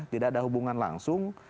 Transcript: tidak ada hubungan langsung